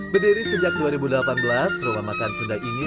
berdiri sejak dua ribu delapan belas rumah makan sunda ini berada di jans park